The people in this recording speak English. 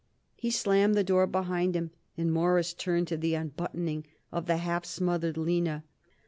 He slammed the door behind him and Morris turned to the unbuttoning of the half smothered Lina.